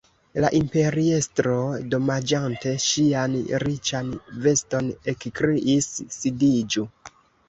La imperiestro, domaĝante ŝian riĉan veston, ekkriis: "sidiĝu! »